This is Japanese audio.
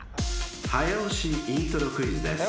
［早押しイントロクイズです］